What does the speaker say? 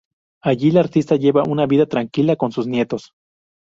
Allí, la artista lleva una vida tranquila con sus nietos.